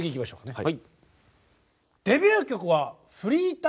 はい。